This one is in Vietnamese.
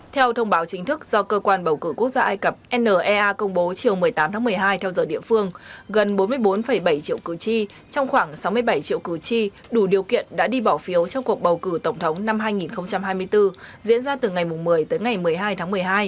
theo thông báo chính thức do cơ quan bầu cử quốc gia ai cập nea công bố chiều một mươi tám tháng một mươi hai theo giờ địa phương gần bốn mươi bốn bảy triệu cử tri trong khoảng sáu mươi bảy triệu cử tri đủ điều kiện đã đi bỏ phiếu trong cuộc bầu cử tổng thống năm hai nghìn hai mươi bốn diễn ra từ ngày một mươi tới ngày một mươi hai tháng một mươi hai